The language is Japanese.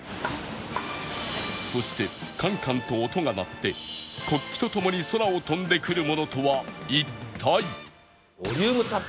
そしてカンカンと音が鳴って国旗とともに空を飛んでくるものとは一体